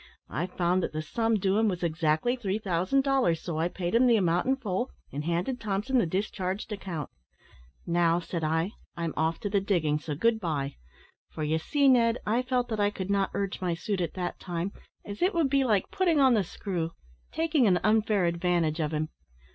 I found that the sum due him was exactly three thousand dollars, so I paid him the amount in full, and handed Thompson the discharged account. `Now,' said I, `I'm off to the diggings, so good bye!' for, you see, Ned, I felt that I could not urge my suit at that time, as it would be like putting on the screw taking an unfair advantage of him.